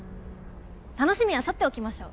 楽しみは取っておきましょう。